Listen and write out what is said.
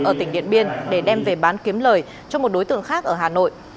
ở tỉnh điện biên để đem về bán kiếm lời cho một đối tượng khác ở hà nội